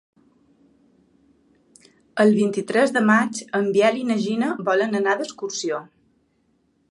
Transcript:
El vint-i-tres de maig en Biel i na Gina volen anar d'excursió.